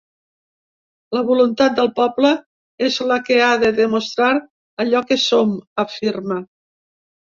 La voluntat del poble és la que ha de demostrar allò que som, afirma.